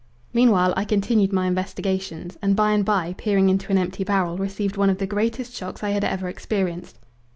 Meanwhile I continued my investigations, and by and by, peering into an empty barrel received one of the greatest shocks I had ever experienced.